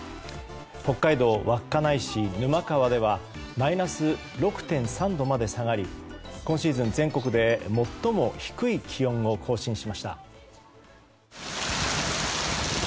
北海道稚内市沼川ではマイナス６．３度まで下がり今シーズン全国で最も低い気温を更新しました。